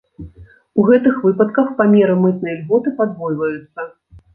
У гэтых выпадках памеры мытнай ільготы падвойваюцца.